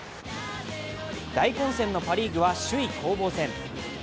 大混戦のパ・リーグは首位攻防戦。